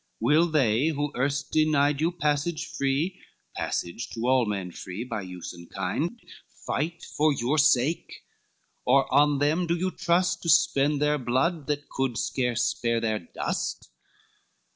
Will they, who erst denied you passage free, Passage to all men free, by use and kind, Fight for your sake? Or on them do you trust To spend their blood, that could scarce spare their dust?